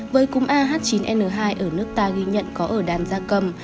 với cúm a h chín n hai ở nước ta ghi nhận có ở đàn da cầm